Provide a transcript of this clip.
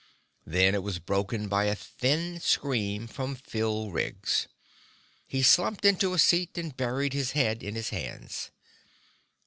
Then it was broken by a thin scream from Phil Riggs. He slumped into a seat and buried his head in his hands.